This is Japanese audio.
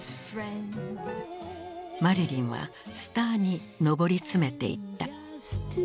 マリリンはスターに上り詰めていった。